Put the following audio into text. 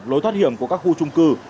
lối thoát hiểm của các khu trung cư này